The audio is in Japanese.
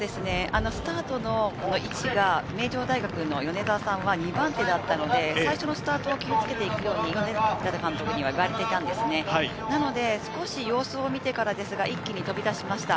スタートの位置が名城大学の米澤さんは２番手だったので最初のスタートは気をつけていくように言われていたんですが、なので少し様子を見てからですが、一気に飛び出しました。